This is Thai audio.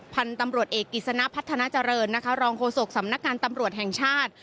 พันธุ์ตำรวจเอกกิจสนะพัฒนาเจริญนะคะรองโฆษกสำนักงานตำรวจแห่งชาติ